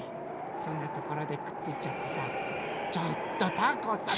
そんなところでくっついちゃってさちょっとたこさん